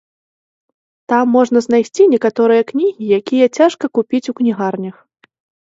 Там можна знайсці некаторыя кнігі, якія цяжка купіць у кнігарнях.